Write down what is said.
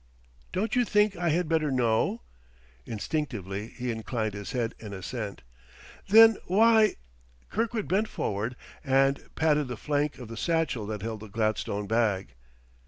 "Don't you think I had better know?" Instinctively he inclined his head in assent. "Then why ?" Kirkwood bent forward and patted the flank of the satchel that held the gladstone bag.